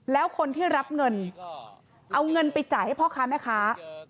แล้วคนที่รับเงินเอาเงินไปจ่ายให้พ่อค้าแม่ค้า